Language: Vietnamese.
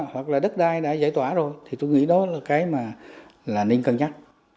hoặc là đất đai đã giải tỏa rồi thì tôi nghĩ đó là cái mà là nên cân nhắc